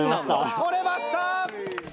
撮れました！